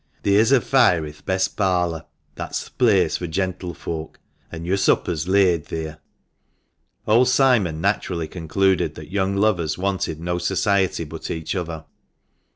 Theere's a fire i' th' best parlour, that's th' place fur gentlefolk, an' yo'r supper's laid theer." Old Simon naturally concluded that young lovers wanted no society but each other.